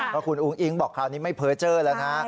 ว่าคุณอุ๊งอิ๊งบอกคราวนี้ไม่เผลอเจอแล้วนะ